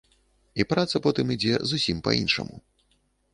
І праца потым ідзе зусім па-іншаму.